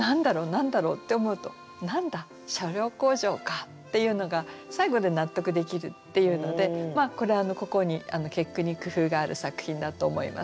何だろう？って思うと何だ「車両工場」かっていうのが最後で納得できるっていうのでこれここに結句に工夫がある作品だと思います。